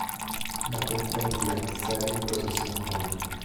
La cofradía sale en procesión con